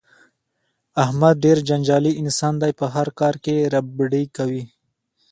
احمد ډېر جنجالي انسان دی په هر کار کې ربړې کوي.